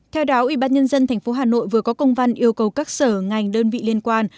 theo đáo ủy ban nhân dân thành phố hà nội vừa có công văn yêu cầu các sở ngành đơn vị liên quan